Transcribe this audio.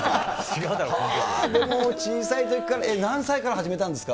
でも、ちいさいときからえ？何歳から始めたんですか？